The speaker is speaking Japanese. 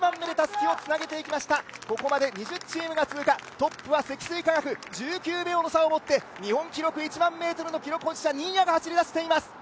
トップは積水化学、１９秒の差をもって日本記録、１００００ｍ記録保持者新谷が走り出しています。